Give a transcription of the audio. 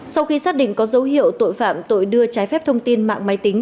sau khi xác định có dấu hiệu tội phạm tội đưa trái phép thông tin mạng máy tính